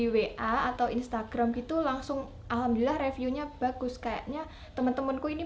wa atau instagram gitu langsung alhamdulillah reviewnya bagus kayaknya temen temenku ini